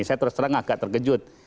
saya terus terang agak terkejut